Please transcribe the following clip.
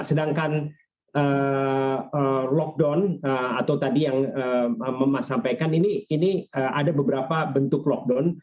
sedangkan lockdown atau tadi yang memasampaikan ini ada beberapa bentuk lockdown